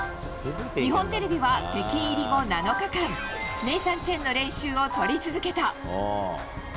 日本テレビは、北京入り後７日間ネイサン・チェンの練習を撮り続けた。